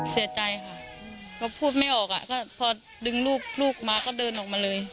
เสียใจค่ะก็พูดไม่ออกอ่ะก็พอดึงลูกมาก็เดินออกมาเลย